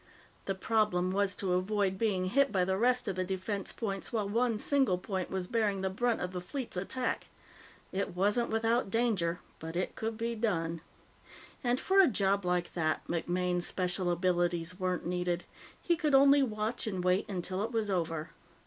The problem was to avoid being hit by the rest of the defense points while one single point was bearing the brunt of the fleet's attack. It wasn't without danger, but it could be done. And for a job like that, MacMaine's special abilities weren't needed. He could only watch and wait until it was over.